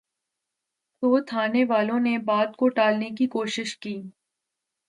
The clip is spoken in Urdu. تو تھانے والوں نے بات کو ٹالنے کی کوشش کی۔